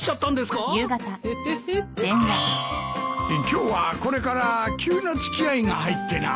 今日はこれから急な付き合いが入ってな。